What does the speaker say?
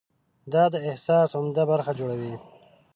دا د احساس عمده برخه جوړوي.